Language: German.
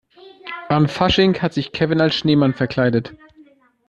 An Fasching hat sich Kevin als Schneemann verkleidet.